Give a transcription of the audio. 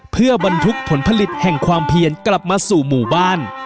เพื่อบรรทุกผลผลิตแห่งความเพียนกลับมาสู่หมู่บ้าน